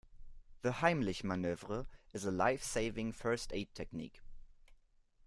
The Heimlich manoeuvre is a lifesaving first aid technique.